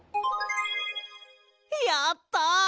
やった！